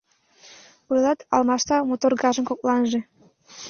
Ойлат, алмашта муторгажым кокланже.